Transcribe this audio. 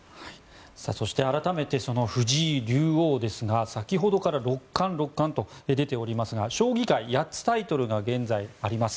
そして改めて藤井竜王ですが先ほどから六冠、六冠と出ておりますが将棋界、８つタイトルが現在、あります。